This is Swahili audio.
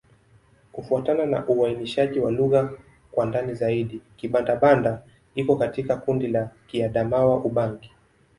Kufuatana na uainishaji wa lugha kwa ndani zaidi, Kibanda-Banda iko katika kundi la Kiadamawa-Ubangi.